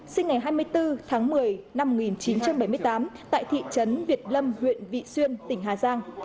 sinh ngày hai mươi bốn tháng một mươi năm một nghìn chín trăm bảy mươi tám tại thị trấn việt lâm huyện vị xuyên tỉnh hà giang